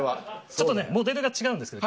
ちょっとモデルが違うんですよね。